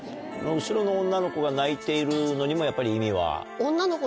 後ろの女の子が泣いているのにもやっぱり意味は？